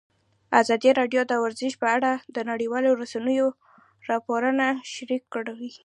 ازادي راډیو د ورزش په اړه د نړیوالو رسنیو راپورونه شریک کړي.